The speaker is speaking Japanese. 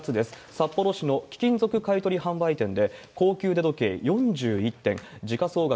札幌市の貴金属買い取り販売店で高級腕時計４１点、時価総額